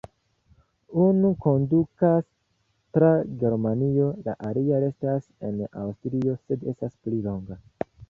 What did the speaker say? Unu kondukas tra Germanio, la alia restas en Aŭstrio, sed estas pli longa.